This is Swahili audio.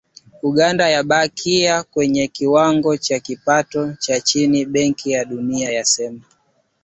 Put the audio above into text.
"Uganda yabakia kwenye kiwango cha kipato cha chini", Benki ya Dunia yasema.